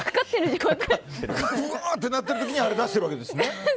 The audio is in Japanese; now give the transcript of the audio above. うわーってなってる時にあれ出してるわけですよね。